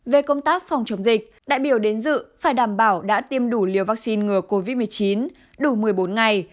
về công tác phòng chống dịch đại biểu đến dự phải đảm bảo đã tiêm đủ liều vaccine ngừa covid một mươi chín đủ một mươi bốn ngày